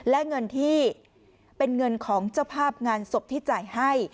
และเงินที่เป็นเงินของเจ้าภาพงานศพที่จ่ายให้